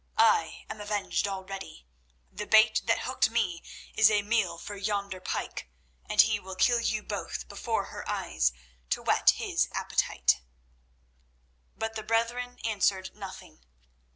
I am avenged already. The bait that hooked me is a meal for yonder pike, and he will kill you both before her eyes to whet his appetite." But the brethren answered nothing.